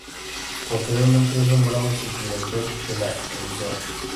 Posteriormente, es nombrado Subdirector de la emisora.